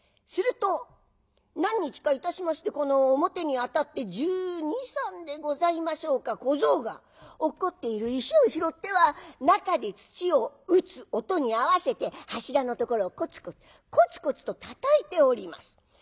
すると何日かいたしましてこの表にあたって１２１３でございましょうか小僧が落っこっている石を拾っては中で鎚を打つ音に合わせて柱のところをコツコツコツコツとたたいております。